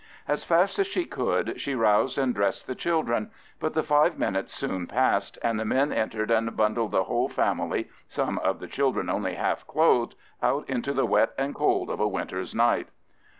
As fast as she could she roused and dressed the children; but the five minutes soon passed, and the men entered and bundled the whole family, some of the children only half clothed, out into the wet and cold of a winter's night.